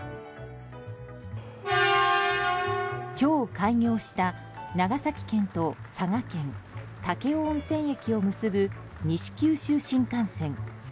今日開業した、長崎県と佐賀県・武雄温泉駅を結ぶ西九州新幹線。